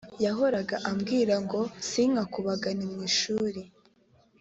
yahoraga ambwira ngo sinkakubagane mu ishuri